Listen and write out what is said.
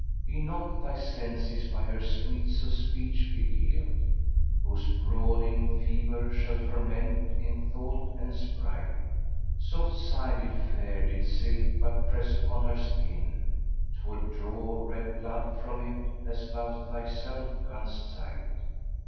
Be not thy senses by her sweets of speech beguiled, * Whose brooding fever shall ferment in thought and sprite: Soft sided Fair[FN#475] did silk but press upon her skin, * 'Twould draw red blood from it, as thou thyself canst sight.